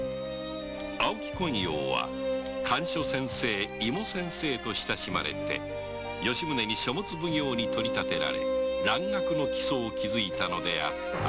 青木昆陽は甘藷先生イモ先生と親しまれて吉宗に書物奉行にとりたてられ蘭学の基礎を築いたのであった